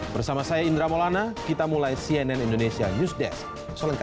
bersama saya indra maulana kita mulai cnn indonesia news desk